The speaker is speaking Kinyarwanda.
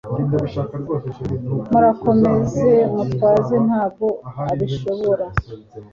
murakomeze mutwaze ntabwo abishobora